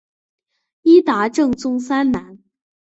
伊达政宗三男。